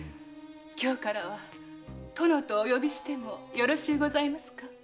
今日からは「殿」とお呼びしてもよろしゅうございますか？